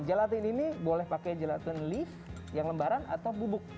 gelatin ini boleh pakai gelatin lift yang lembaran atau bubuk